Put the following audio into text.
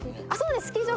スキー場。